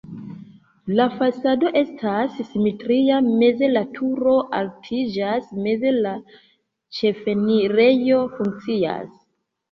La fasado estas simetria, meze la turo altiĝas, meze la ĉefenirejo funkcias.